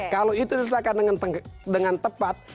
kalau itu diselesaikan dengan tepat